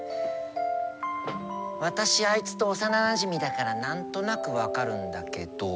私あいつと幼なじみだから何となく分かるんだけど